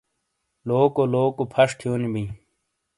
لوکو لوکو پھَش تھیونی بئیں۔